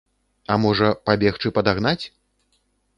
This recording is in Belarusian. А можа, пабегчы падагнаць?